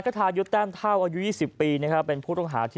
ทายุทธ์แต้มเท่าอายุ๒๐ปีนะครับเป็นผู้ต้องหาที่